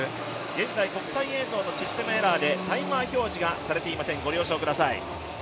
現在タイマー表示のシステムエラーでタイマー表示が表示されていません、ご了承ください。